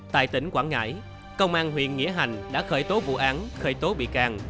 tại tỉnh quảng ngãi công an huyện nghĩa hành đã khởi tố vụ án khởi tố bị can